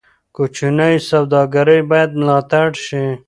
کوچني سوداګرۍ باید ملاتړ شي.